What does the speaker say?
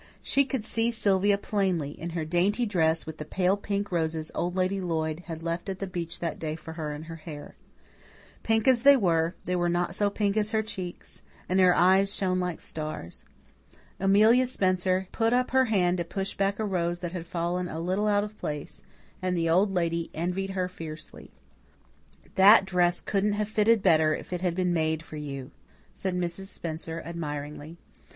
She could see Sylvia plainly, in her dainty dress, with the pale pink roses Old Lady Lloyd had left at the beech that day for her in her hair. Pink as they were, they were not so pink as her cheeks, and her eyes shone like stars. Amelia Spencer put up her hand to push back a rose that had fallen a little out of place, and the Old Lady envied her fiercely. "That dress couldn't have fitted better if it had been made for you," said Mrs. Spencer admiringly.